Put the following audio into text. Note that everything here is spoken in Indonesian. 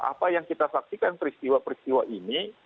apa yang kita saksikan peristiwa peristiwa ini